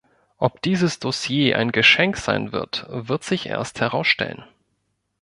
Ob dieses Dossier ein Geschenk sein wird, wird sich erst herausstellen.